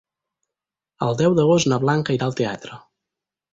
El deu d'agost na Blanca irà al teatre.